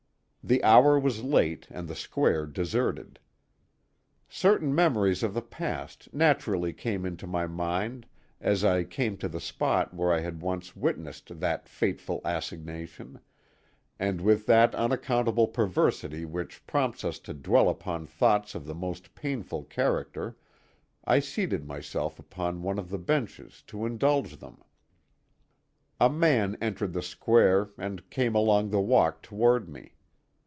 The hour was late and the square deserted. Certain memories of the past naturally came into my mind as I came to the spot where I had once witnessed that fateful assignation, and with that unaccountable perversity which prompts us to dwell upon thoughts of the most painful character I seated myself upon one of the benches to indulge them. A man entered the square and came along the walk toward me.